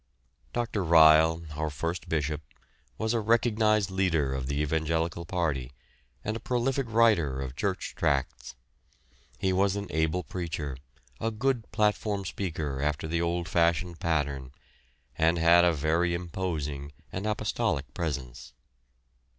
Dr. Ryle, our first Bishop, was a recognised leader of the evangelical party, and a prolific writer of church tracts. He was an able preacher, a good platform speaker after the old fashioned pattern, and had a very imposing and apostolic presence.